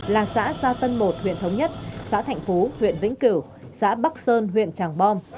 là xã gia tân một huyện thống nhất xã thạnh phú huyện vĩnh cửu xã bắc sơn huyện tràng bom